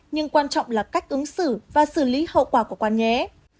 nhưng quan trọng là cách ứng xử và xử lý hậu quả của quán nhé